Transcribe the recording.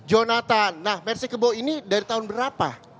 jonathan nah mersi kebo ini dari tahun berapa